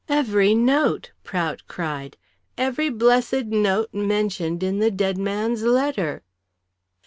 "Every note," Prout cried, "every blessed note mentioned in the dead's man's letter."